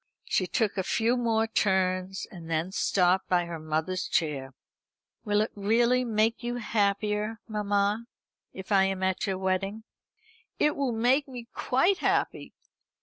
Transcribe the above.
She took a few more turns, and then stopped by her mother's chair. "Will it really make you happier, mamma, if I am at your wedding?" "It will make me quite happy."